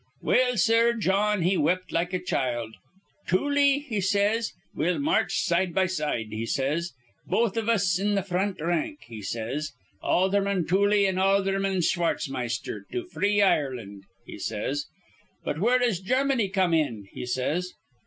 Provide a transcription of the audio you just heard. "Well, sir, Jawn, he wept like a child. 'Tooley,' he says, 'we'll march side be side,' he says. 'Both iv us in th' front rank,' he says. 'Aldherman Tooley an' Aldherman Schwartzmeister, to free Ireland,' he says. 'But where does Germany come in?' he says.